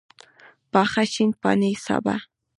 پاخه شین پاڼي سابه